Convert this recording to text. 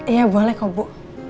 iya boleh kok bu